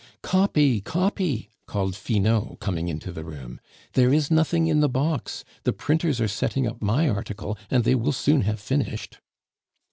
"Copy, copy!" called Finot, coming into the room. "There is nothing in the box; the printers are setting up my article, and they will soon have finished."